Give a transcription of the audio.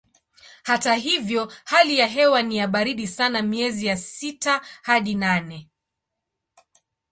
Hata hivyo hali ya hewa ni ya baridi sana miezi ya sita hadi nane.